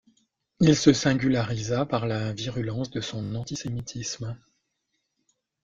Il se singularisa par la virulence de son antisémitisme.